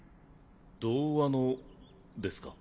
童話のですか。